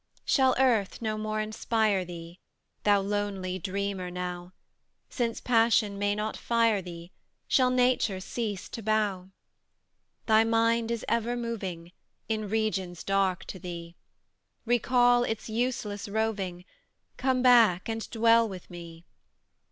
Shall earth no more inspire thee, Thou lonely dreamer now? Since passion may not fire thee, Shall nature cease to bow? Thy mind is ever moving, In regions dark to thee; Recall its useless roving, Come back, and dwell with me.